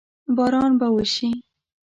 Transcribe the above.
باران به وشي؟